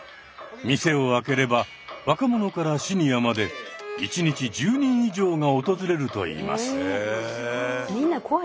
店を開ければ若者からシニアまで１日１０人以上が訪れるといいます。